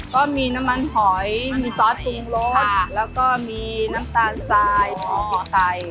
ก็มีน้ำมันหอยมีซอสปรุงรสแล้วก็มีน้ำตาลทรายหอไก่